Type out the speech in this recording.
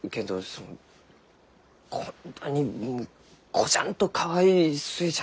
そのこんなにこじゃんとかわいい寿恵ちゃん。